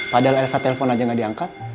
padahal elsa telpon aja nggak diangkat